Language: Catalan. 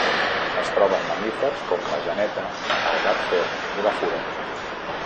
Es troben mamífers com la geneta, el gat fer i la fura.